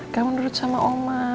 kamu nurut sama oma